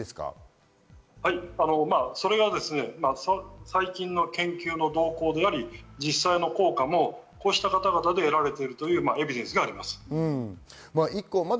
それが最近の研究の動向で実際の効果もこうした方々で得られているというエビデンスがあります。